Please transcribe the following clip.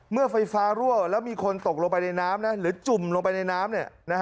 เมื่อไฟฟ้ารั่วแล้วมีคนตกลงไปในน้ำหรือจุ่มลงไปในน้ำ